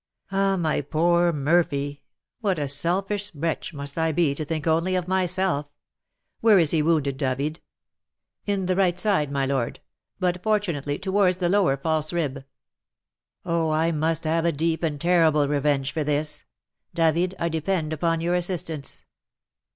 "And my poor Murphy! What a selfish wretch must I be to think only of myself! Where is he wounded, David?" "In the right side, my lord; but, fortunately, towards the lower false rib." "Oh, I must have a deep and terrible revenge for this! David, I depend upon your assistance."